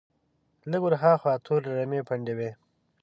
لږ ور هاخوا تورې رمې پنډې وې.